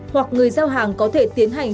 hoặc người giao hàng có thể tiến hành